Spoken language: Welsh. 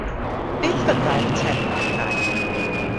Beth fyddai'r term Cymraeg?